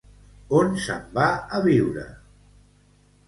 On se'n va a viure?